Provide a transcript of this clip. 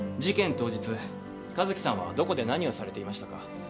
当日一樹さんはどこで何をされていましたか？